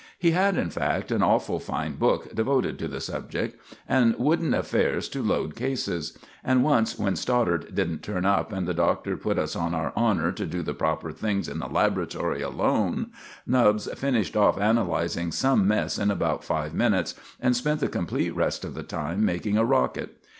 He had, in fact, an awful fine book devoted to the subject, and wooden affairs to load cases; and once when Stoddart didn't turn up and the Doctor put us on our honor to do the proper things in the laboratory alone, Nubbs finished off analyzing some mess in about five minutes, and spent the complete rest of the time making a rocket.